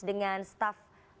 dengan staf perintah